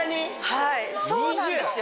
はいそうなんですよ。